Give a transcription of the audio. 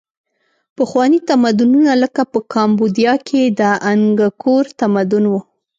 پخواني تمدنونه لکه په کامبودیا کې د انګکور تمدن و.